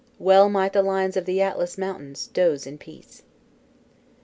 Well might the lions of the Atlas Mountains doze in peace.